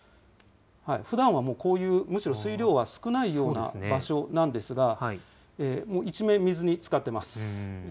ふだんはもうこういう、むしろ水量は少ないような場所なんですが、もう一面、水につかっています。